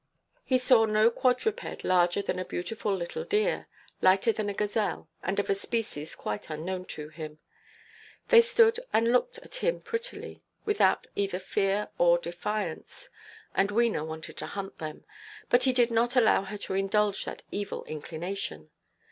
He saw no quadruped larger than a beautiful little deer, lighter than a gazelle, and of a species quite unknown to him. They stood and looked at him prettily, without either fear or defiance, and Wena wanted to hunt them. But he did not allow her to indulge that evil inclination.